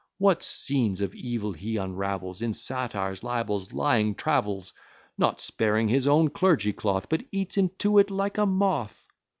What scenes of evil he unravels In satires, libels, lying travels! Not sparing his own clergy cloth, But eats into it, like a moth!"